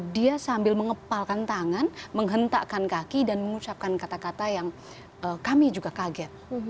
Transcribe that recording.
dia sambil mengepalkan tangan menghentakkan kaki dan mengucapkan kata kata yang kami juga kaget